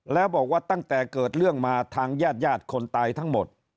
แล้วบอกว่าตั้งแต่เกิดเรื่องมาทางญาติญาติคนตายทั้งหมด